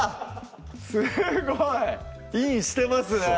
すごい！インしてますね！